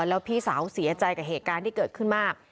แล้วพี่สาวเสียใจกับเหตุการณ์ที่เกิดขึ้นมาก